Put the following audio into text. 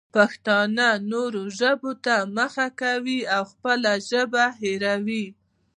پښتانه نورو ژبو ته مخه کوي او خپله ژبه هېروي.